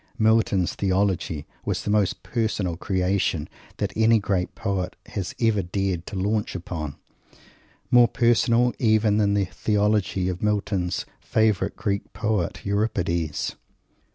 Milton's Theology was the most personal creation that any great poet has ever dared to launch upon more personal even than the Theology of Milton's favourite Greek poet, Euripides.